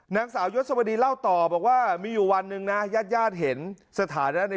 นางสาวยศวดีเล่าต่อบอกว่ามีอยู่วันหนึ่งนะญาติญาติเห็นสถานะใน